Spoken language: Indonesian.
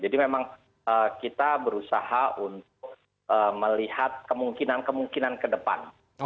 jadi memang kita berusaha untuk melihat kemungkinan kemungkinan ke depan